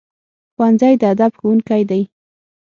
ښوونځی د ادب ښوونکی دی